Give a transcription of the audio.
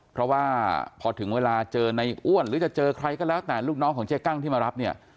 เพราะว่าพอถึงเวลาเจอในอ้วนหรือจะเจอใครก็แล้วแต่ลูกน้องของเจ๊กั้งที่มารับเนี่ย